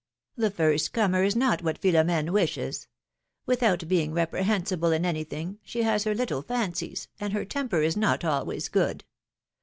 The first comer is not what Philomene wishes. With out being reprehensible in anything, she has her little fancies, and her temper is not always good.